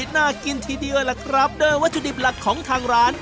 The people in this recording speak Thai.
น่ากินทีเดียวล่ะครับโดยวัตถุดิบหลักของทางร้าน